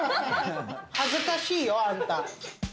恥ずかしいよ、あんた。